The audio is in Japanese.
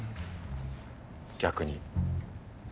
逆に。